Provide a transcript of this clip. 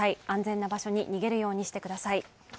安全な場所に逃げるようにしてください。